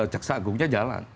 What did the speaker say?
caksa agungnya jalan